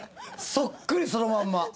そっくりそのまんま。